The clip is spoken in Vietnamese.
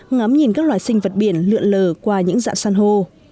ngắm nhìn các loài sinh vật biển lượn lờ qua những dạng san hô